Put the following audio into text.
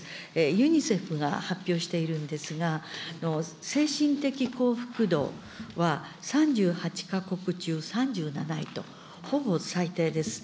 ユニセフが発表しているんですが、精神的幸福度は３８か国中３７位と、ほぼ最低です。